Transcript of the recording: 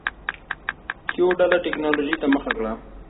کیو ډله ټکنالوجۍ ته مخه کړه.